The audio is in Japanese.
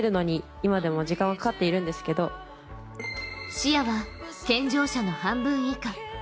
視野は健常者の半分以下。